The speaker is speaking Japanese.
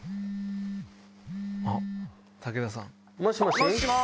もしもし